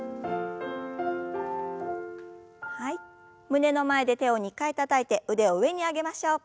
胸の前で手を２回たたいて腕を上に上げましょう。